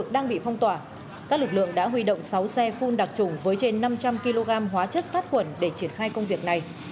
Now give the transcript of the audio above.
đang bị phong tỏa các lực lượng đã huy động sáu xe phun đặc trùng với trên năm trăm linh kg hóa chất sát quẩn để triển khai công việc này